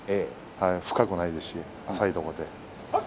深くないですし、浅いところで。